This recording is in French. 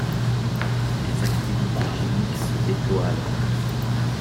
Les activités cliniques se déploient alors.